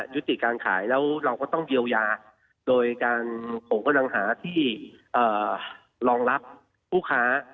ยุติการขายแล้วเราก็ต้องเยียวยาโดยการผมกำลังหาที่รองรับผู้ค้า